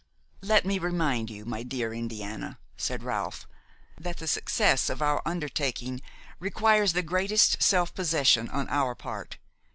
"Let me remind you, my dear Indiana," said Ralph, "that the success of our undertaking requires the greatest self possession on our part.